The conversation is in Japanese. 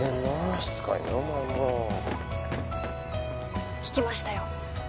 しつこいなお前も聞きましたよ